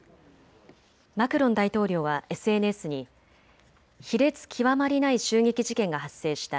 マクロン大統領はＳＮＳに卑劣極まりない襲撃事件が発生した。